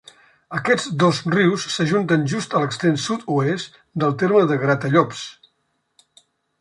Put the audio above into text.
Aquests dos rius s'ajunten just a l'extrem sud-oest del terme de Gratallops.